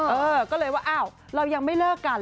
เออก็เลยว่าอ้าวเรายังไม่เลิกกัน